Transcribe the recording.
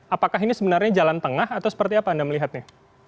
apakah ini sebenarnya jalan tengah atau seperti apa anda melihatnya